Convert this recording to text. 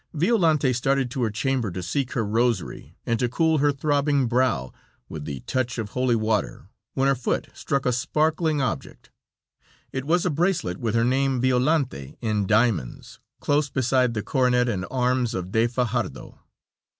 Violante started to her chamber to seek her rosary and to cool her throbbing brow with the touch of holy water, when her foot struck a sparkling object; it was a bracelet, with her name, "Violante," in diamonds, close beside the coronet and arms of De Fajardo.